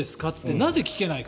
なぜ聞けないのか。